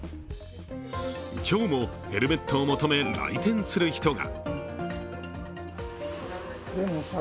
今日もヘルメットを求め、来店する人が。